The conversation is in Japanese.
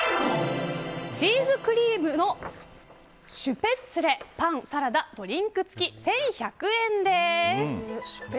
チーズクリームのシュペッツレパン・サラダ・ドリンク付き１１００円です。